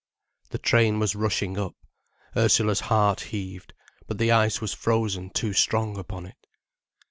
The train was rushing up. Ursula's heart heaved, but the ice was frozen too strong upon it.